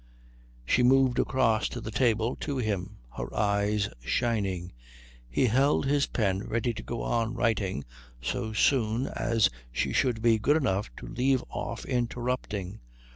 She moved across to the table to him, her eyes shining. He held his pen ready to go on writing so soon as she should be good enough to leave off interrupting.